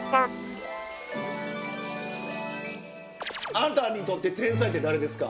あなたにとって天才って誰ですか？